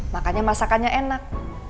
makanya masakannya enak